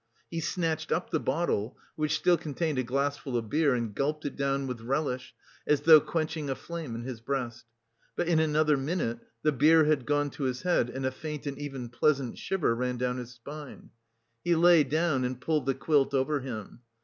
He snatched up the bottle, which still contained a glassful of beer, and gulped it down with relish, as though quenching a flame in his breast. But in another minute the beer had gone to his head, and a faint and even pleasant shiver ran down his spine. He lay down and pulled the quilt over him.